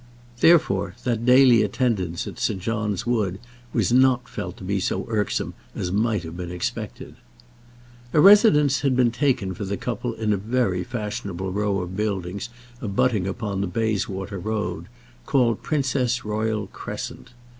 Therefore that daily attendance at St. John's Wood was not felt to be so irksome as might have been expected. A residence had been taken for the couple in a very fashionable row of buildings abutting upon the Bayswater Road, called Princess Royal Crescent.